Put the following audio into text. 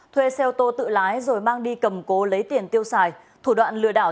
thuê xe ô tô tự lái rồi mang đi cầm cố lấy tiền tiêu xài thủ đoạn lừa đảo